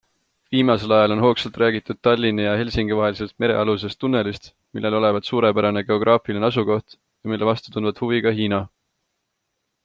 Viimasel ajal on hoogsalt räägitud Tallinna ja Helsingi vahelisest merealusest tunnelist, millel olevat suurepärane geograafiline asukoht ja mille vastu tundvat huvi ka Hiina.